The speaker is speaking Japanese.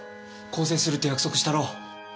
更生するって約束したろう？